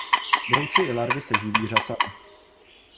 Brouci i larvy se živí řasami.